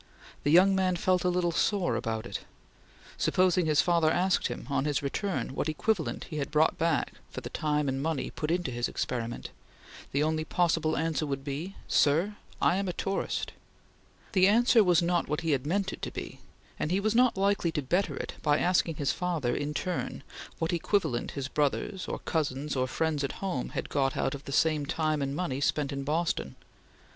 The young man felt a little sore about it. Supposing his father asked him, on his return, what equivalent he had brought back for the time and money put into his experiment! The only possible answer would be: "Sir, I am a tourist!" The answer was not what he had meant it to be, and he was not likely to better it by asking his father, in turn, what equivalent his brothers or cousins or friends at home had got out of the same time and money spent in Boston.